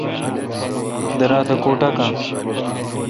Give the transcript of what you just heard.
درا تہ کو ٹاکان۔